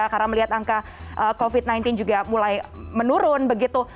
karena melihat angka covid sembilan belas juga mulai menurun begitu